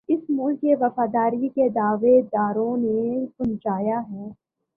اس ملک کے وفاداری کے دعوے داروں نے پہنچایا ہے